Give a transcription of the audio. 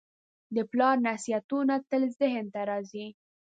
د پلار نصیحتونه تل ذهن ته راځي.